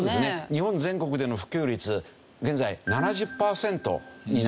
日本全国での普及率現在７０パーセントになってます。